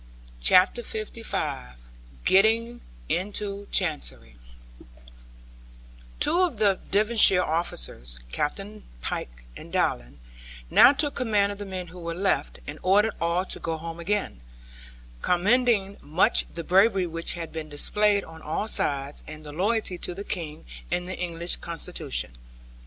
CHAPTER LV GETTING INTO CHANCERY Two of the Devonshire officers (Captains Pyke and Dallan) now took command of the men who were left, and ordered all to go home again, commending much the bravery which had been displayed on all sides, and the loyalty to the King, and the English constitution.